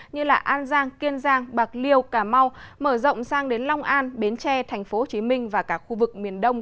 như an giang kiên giang bạc liêu cà mau mở rộng sang đến long an bến tre tp hcm và các khu vực